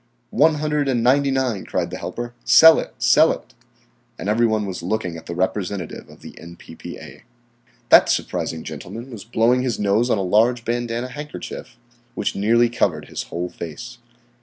"One hundred and ninety nine," cried the helper. "Sell it! Sell it!" And every one was looking at the representative of the N.P.P.A. That surprising gentleman was blowing his nose on a large bandanna handkerchief, which nearly covered his whole face.